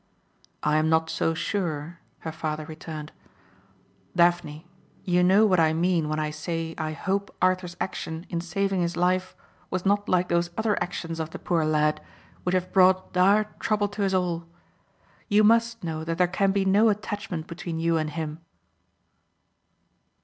"I am not so sure," her father returned, "Daphne, you know what I mean when I say I hope Arthur's action in saving his life was not like those other actions of the poor lad which have brought dire trouble to us all. You must know that there can be no attachment between you and him."